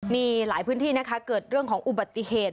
มีหลายพื้นที่นะคะเกิดเรื่องของอุบัติเหตุ